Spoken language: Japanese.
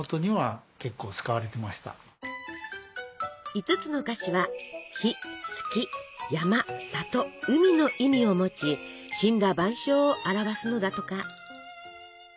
５つの菓子はの意味を持ち森羅万象を表すのだとか。